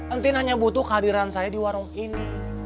entin hanya butuh kehadiran saya di warung ini